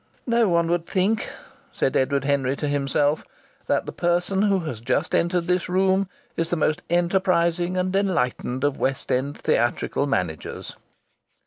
("No one would think," said Edward Henry to himself, "that the person who has just entered this room is the most enterprising and enlightened of West End theatrical managers.")